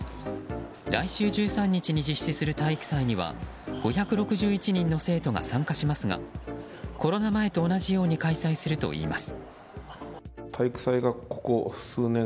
来週１３日に実施する体育祭には５６１人の生徒が参加しますがコロナ前と同じように開催するといいます。